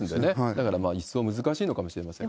だから一層難しいのかもしれないですね。